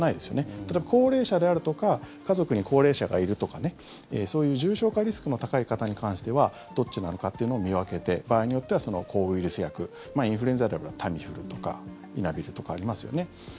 ただ、高齢者であるとか家族に高齢者がいるとかそういう重症化リスクの高い方に関してはどっちなのかっていうのを見分けて場合によっては、抗ウイルス薬インフルエンザであればタミフルとかイナビルとかありますよね。